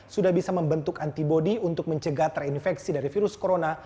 sudah bisa membentuk antibody untuk mencegah terinfeksi dari virus corona